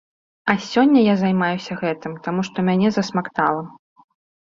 А сёння я займаюся гэтым, таму што мяне засмактала.